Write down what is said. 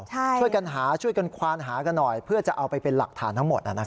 ช่วยกันหาช่วยกันควานหากันหน่อยเพื่อจะเอาไปเป็นหลักฐานทั้งหมด